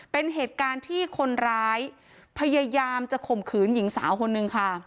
เป็นเหตุการณ์ที่คนร้ายพยายามจะข่มขืนหญิงสาวคนนึงค่ะ